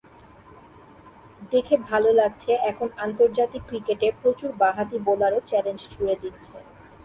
দেখে ভালো লাগছে, এখন আন্তর্জাতিক ক্রিকেটে প্রচুর বাঁহাতি বোলারও চ্যালেঞ্জ ছুড়ে দিচ্ছে।